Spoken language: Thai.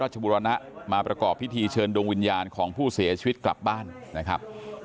บุรณะมาประกอบพิธีเชิญดวงวิญญาณของผู้เสียชีวิตกลับบ้านนะครับ